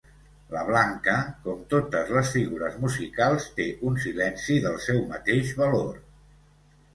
La blanca, com totes les figures musicals, té un silenci del seu mateix valor.